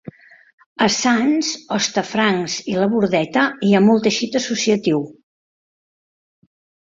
A Sants, Hostafrancs i la Bordeta hi ha molt teixit associatiu.